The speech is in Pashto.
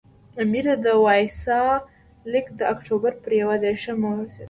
امیر ته د وایسرا لیک د اکټوبر پر یو دېرشمه ورسېد.